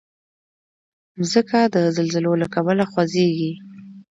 مځکه د زلزلو له کبله خوځېږي.